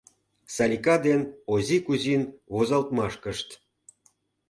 Салика ден Ози Кузин возалтмашкышт.